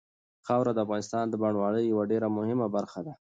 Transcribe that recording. خاوره د افغانستان د بڼوالۍ یوه ډېره مهمه برخه ده.